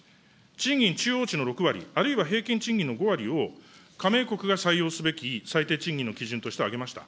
賃金中央値の６割、あるいは平均賃金の５割を、加盟国が採用すべき最低賃金の基準として挙げました。